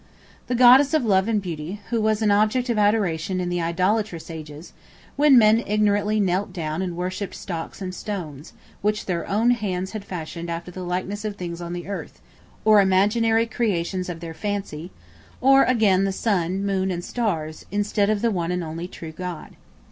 The goddess of love and beauty, who was an object of adoration in the idolatrous ages, when men ignorantly knelt down and worshipped stocks and stones, which their own hands had fashioned after the likeness of things on the earth, or imaginary creations of their fancy; or, again, the sun, moon, and stars, instead of the one and only true God.